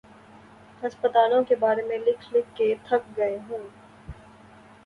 ہسپتالوں کے بارے میں لکھ لکھ کے تھک گئے ہوں۔